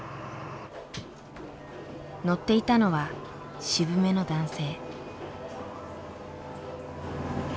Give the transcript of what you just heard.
乗っていたのは渋めの男性。